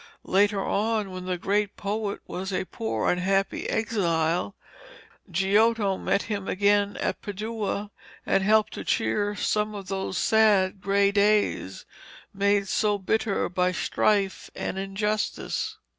Later on, when the great poet was a poor unhappy exile, Giotto met him again at Padua and helped to cheer some of those sad grey days, made so bitter by strife and injustice.